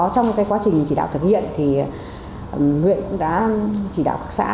trong quá trình chỉ đạo thực hiện huyện cũng đã chỉ đạo các xã